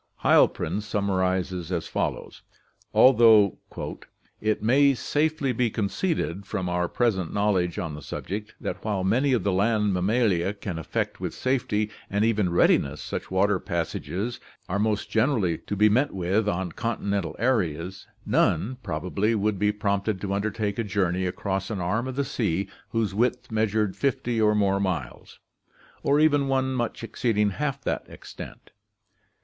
Heilprin summarizes as follows: although "it may safely be conceded, from our present knowledge on the subject, that while many of the land Mammalia can effect with safety, and even readiness, such water passages as are most generally to be met with on continental areas, none, probably, would be prompted to undertake a journey across an arm of the sea whose width meas ured 50 or more miles, or even one much exceeding half that extent.